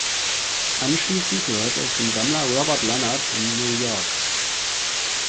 Anschließend gehörte es dem Sammler Robert Leonhardt in New York.